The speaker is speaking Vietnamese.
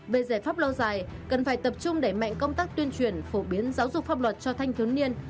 về giải pháp lâu dài cần phải tập trung đẩy mạnh công tác tuyên truyền phổ biến giáo dục pháp luật cho thanh thiếu niên